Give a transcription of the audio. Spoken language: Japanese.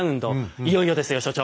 いよいよですよ所長。